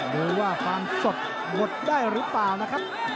ดูว่าความสดหมดได้หรือเปล่านะครับ